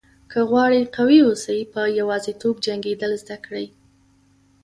که غواړئ قوي واوسئ په یوازیتوب جنګېدل زده کړئ.